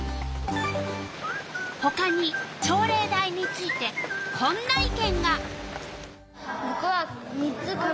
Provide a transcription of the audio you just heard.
ほかに朝礼台についてこんな意見が。